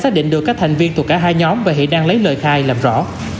xác định được các thành viên thuộc cả hai nhóm và hiện đang lấy lời khai làm rõ